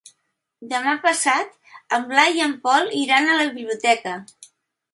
Demà passat en Blai i en Pol iran a la biblioteca.